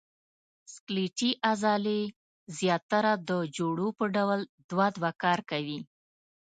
سکلیټي عضلې زیاتره د جوړو په ډول دوه دوه کار کوي.